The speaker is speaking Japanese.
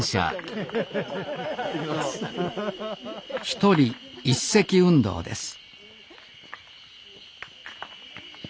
「一人一石運動」です